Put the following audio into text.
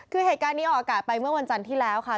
คือเหตุการณ์นี้ออกอากาศไปเมื่อวันจันทร์ที่แล้วค่ะ